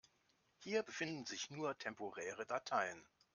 Hier befinden sich nur temporäre Dateien.